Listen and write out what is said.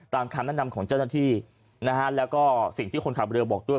คำแนะนำของเจ้าหน้าที่นะฮะแล้วก็สิ่งที่คนขับเรือบอกด้วย